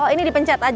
oh ini di pencet aja